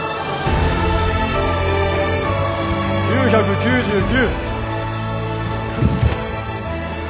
９９９。